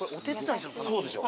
そうでしょ。